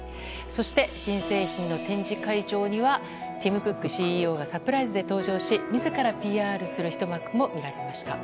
そして、新製品の展示会場にはティム・クックＣＥＯがサプライズで登場し自らＰＲするひと幕も見られました。